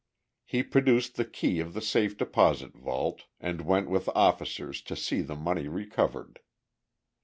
He produced the key of the safe deposit vault, and went with officers to see the money recovered.